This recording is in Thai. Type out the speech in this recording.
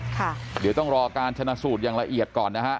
ค่ะเดี๋ยวต้องรอการชนะสูตรอย่างละเอียดก่อนนะฮะ